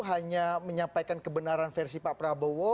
hanya menyampaikan kebenaran versi pak prabowo